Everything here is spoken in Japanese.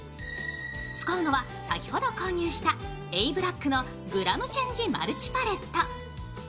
使うのは先ほど購入したＡ．ＢＬＡＣＫのグラムチェンジマルチパレット。